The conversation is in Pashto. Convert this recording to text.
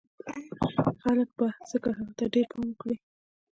خلک به ځکه هغه ته ډېر پام وکړي